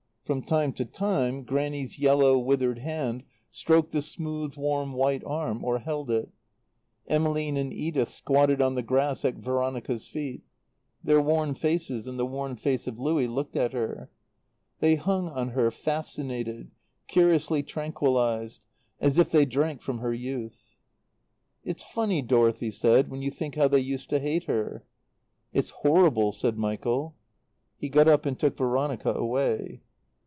From time to time Grannie's yellow, withered hand stroked the smooth, warm white arm, or held it. Emmeline and Edith squatted on the grass at Veronica's feet; their worn faces and the worn face of Louie looked at her. They hung on her, fascinated, curiously tranquillized, as if they drank from her youth. "It's funny," Dorothy said, "when you think how they used to hate her." "It's horrible," said Michael. He got up and took Veronica away.